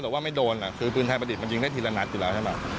แต่ว่าไม่โดนคือปืนไทยประดิษฐมันยิงได้ทีละนัดอยู่แล้วใช่ไหม